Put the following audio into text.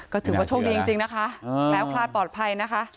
ก็ถือว่าโชคดีจริงนะคะแคล้วคลาดปลอดภัยนะคะ